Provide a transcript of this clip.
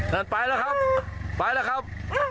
นั่นไปแล้วครับไปแล้วครับ